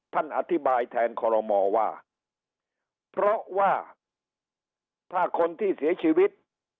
ท่านอธิบายแทนคอรมอว่าเพราะว่าถ้าคนที่เสียชีวิต